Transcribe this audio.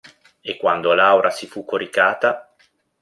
E quando Laura si fu coricata.